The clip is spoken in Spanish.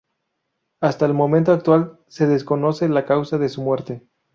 Hasta el momento actual, se desconoce la causa de su muerte.